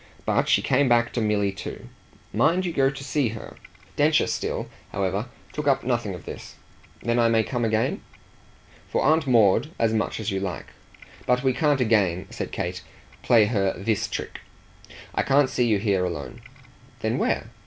But she came back to Milly too. "Mind you go to see her." Densher still, however, took up nothing of this. "Then I may come again?" "For Aunt Maud as much as you like. But we can't again," said Kate, "play her THIS trick. I can't see you here alone." "Then where?"